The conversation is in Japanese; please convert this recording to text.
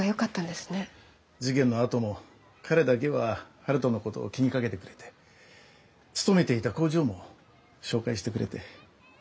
事件のあとも彼だけは晴登のことを気に掛けてくれて勤めていた工場も紹介してくれて。